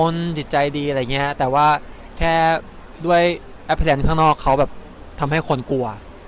ไม่ได้แอปแทนข้างนอกเขาทำให้คนกลัว